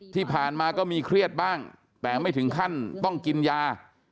ที่ผ่านมาก็มีเครียดบ้างแต่ไม่ถึงขั้นต้องกินยา